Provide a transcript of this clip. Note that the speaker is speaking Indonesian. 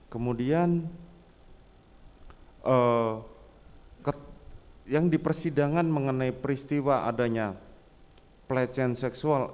kemudian yang dipersidangan mengenai peristiwa adanya pelecehan seksual